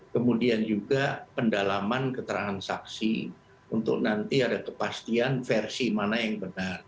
kemudian juga pendalaman keterangan saksi untuk nanti ada kepastian versi mana yang benar